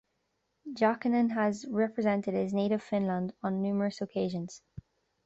Jokinen has represented his native Finland on numerous occasions.